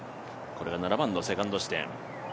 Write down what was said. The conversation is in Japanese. これが７番のセカンド地点。